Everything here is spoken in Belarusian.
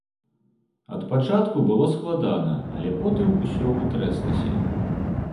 Ад пачатку было складана, але потым усё ўтрэслася.